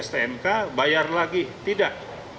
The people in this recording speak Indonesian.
stnk bayar lagi tidak